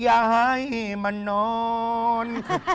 อย่าให้มันนอน